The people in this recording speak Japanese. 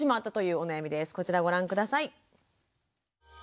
こちらをご覧下さい。